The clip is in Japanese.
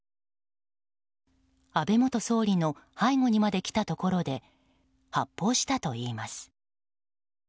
安倍元総理の背後にまで来たところで発砲したといいます。